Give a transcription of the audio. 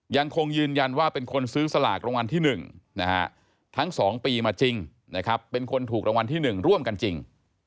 ยังคงยืนยันว่าเป็นคนซื้อสลากรางวัลที่๑ทั้ง๒ปีมาจริงนะครับเป็นคนถูกรางวัลที่๑ร่วมกันจริง